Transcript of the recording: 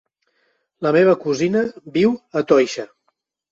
La meva cosina viu a Toixa.